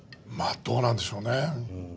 まあどうなんでしょうね。